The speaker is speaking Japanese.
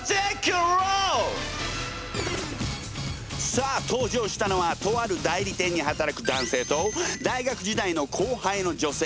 さあ登場したのはとある代理店に働く男性と大学時代の後輩の女性。